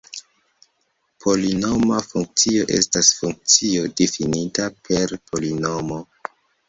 Polinoma funkcio estas funkcio difinita per polinomo.